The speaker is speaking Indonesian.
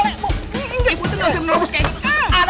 ibu ibu tuh gak usah merobos kayak gini